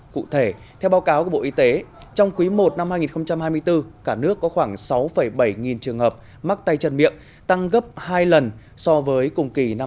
cụ thể theo báo cáo của bộ y tế trong quý i năm hai nghìn hai mươi bốn cả nước có khoảng sáu bảy nghìn trường hợp mắc tay chân miệng tăng gấp hai lần so với cùng kỳ năm hai nghìn hai mươi ba